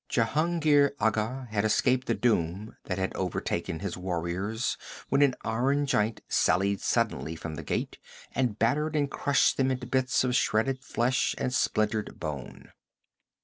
Jehungir Agha had escaped the doom that had overtaken his warriors when an iron giant sallied suddenly from the gate and battered and crushed them into bits of shredded flesh and splintered bone.